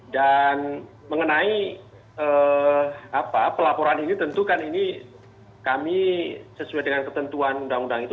dan mengenai pelaporan ini tentu kan ini kami sesuai dengan ketentuan undang undang itu